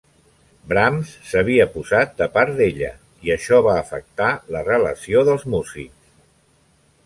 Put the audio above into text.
Brahms s'havia posat de part ella, i això va afectar la relació dels músics.